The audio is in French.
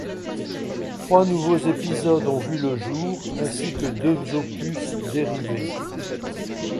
Trois nouveaux épisodes ont vu le jour ainsi que deux opus dérivés.